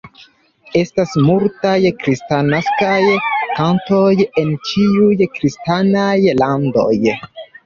Estas multaj kristnaskaj kantoj en ĉiuj kristanaj landoj.